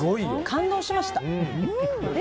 感動しました！